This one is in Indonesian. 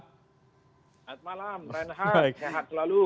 selamat malam renhat sehat selalu